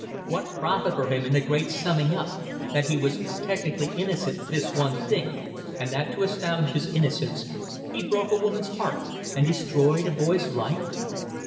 What profit for him in the great summing up, that he was technically innocent of this one thing, and that to establish his innocence he broke a woman's heart and destroyed a boy's life?